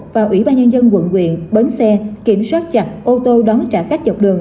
và ủy ban nhân dân quận quyện bến xe kiểm soát chặt ô tô đón trả khách dọc đường